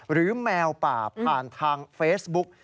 แมวป่าผ่านทางเฟซบุ๊ก